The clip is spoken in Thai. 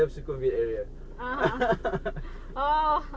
เป็นที่ดีมาก